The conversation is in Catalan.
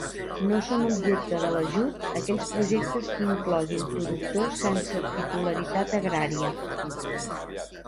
No són objecte de l'ajut aquells projectes que incloguin productors sense titularitat agrària.